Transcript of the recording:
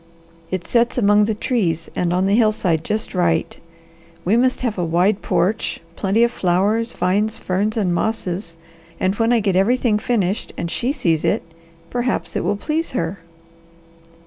It sets among the trees, and on the hillside just right. We must have a wide porch, plenty of flowers, vines, ferns, and mosses, and when I get everything finished and she sees it perhaps it will please her."